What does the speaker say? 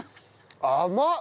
甘っ！